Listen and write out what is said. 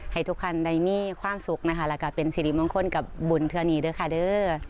ให้ทุกท่านได้มีความสุขนะคะแล้วก็เป็นสิริมงคลกับบุญเท่านี้ด้วยค่ะเด้อ